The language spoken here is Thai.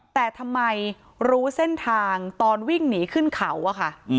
แต่ทำไมรู้เส้นทางตอนวิ่งหนีขึ้นเขาอะค่ะ